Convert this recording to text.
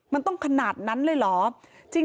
มันต้องขนาดนั้นเลยเหรอ